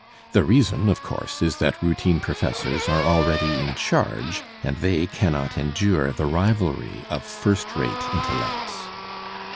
The reason, of course, is that routine professors are already in charge and they cannot A endure the rivalry of first rate intellects.